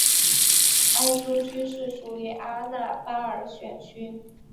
艾珠区是属于阿纳巴尔选区。